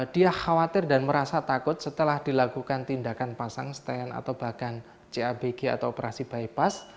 dia khawatir dan merasa takut setelah dilakukan tindakan pasang stand atau bahkan cabg atau operasi bypass